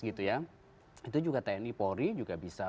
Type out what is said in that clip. itu juga tni polri juga bisa